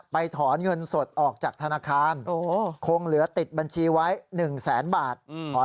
ถอนเงินสดออกจากธนาคารคงเหลือติดบัญชีไว้๑แสนบาท